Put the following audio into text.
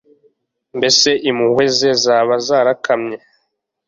Mbese impuhwe ze zaba zarakamye